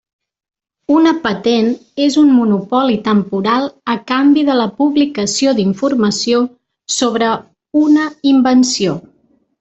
Una patent és un monopoli temporal a canvi de la publicació d'informació sobre una invenció.